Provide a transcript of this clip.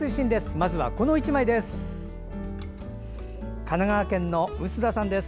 まずは、この１枚です。